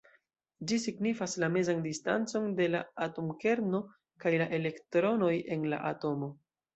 Ĝi signifas la mezan distancon de la atomkerno kaj la elektronoj en la atomo.